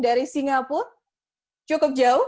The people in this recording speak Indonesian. dari singapura cukup jauh